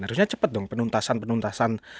harusnya cepat dong penuntasan penuntasan